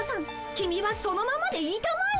キミはそのままでいたまえ。